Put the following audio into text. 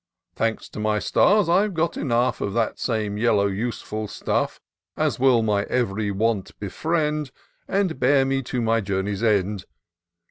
Thanks to my stars ! I've got enough Of that same yellow, useful stuflT, As will my ev'ry want befriend. And bear me to my journey's end.